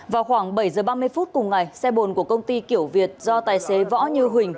vào khoảng bảy h ba mươi phút cùng ngày xe bồn của công ty kiểu việt do tài xế võ như huỳnh